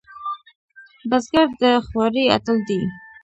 بزګر د خوارۍ اتل دی